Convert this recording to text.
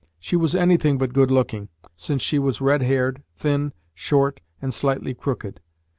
She was anything but good looking, since she was red haired, thin, short, and slightly crooked.